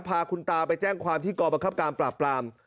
พาคุณตาไปแจ้งความที่กรบังคับการปราบปราม